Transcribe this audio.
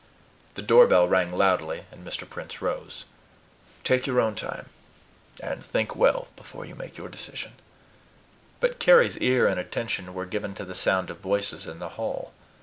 The doorbell rang loudly, and Mr. Prince rose. "Take your own time, and think well before you make your decision." But Carry's ear and attention were given to the sound of voices in the hall.